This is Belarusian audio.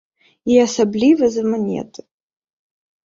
І асабліва за манеты.